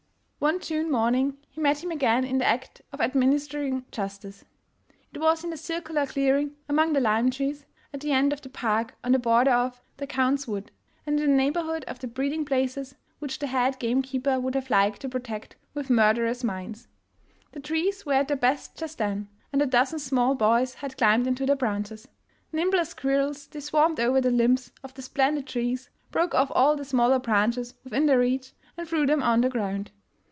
One June morning he met him again in the act of admin istering justice. It was in the circular clearing among the lime trees, at the end of the park on the border of '' the Count 's Wood, '' and in the neighborhood of the breeding places, which the head game keeper would have liked to protect with mur derous mines. The trees were at their best just then, and a dozen small boys had climbed into their branches. Nim ble as squirrels they swarmed over the limbs of the splendid trees, broke off all the smaller branches within their reach, and threw them on the ground.